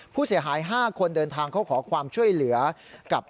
ผู้เสียหาย๕คนเดินทางเข้าขอความช่วยเหลือกับ